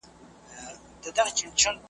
د کېږدۍ تر ماښامونو د ګودر ترانې وړمه .